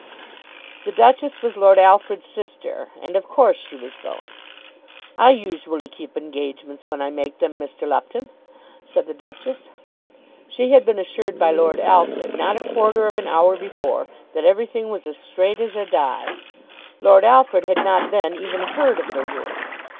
The Duchess was Lord Alfred's sister, and of course she was going. "I usually keep engagements when I make them, Mr. Lupton," said the Duchess. She had been assured by Lord Alfred not a quarter of an hour before that everything was as straight as a die. Lord Alfred had not then even heard of the rumour.